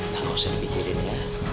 tak usah dipikirin ya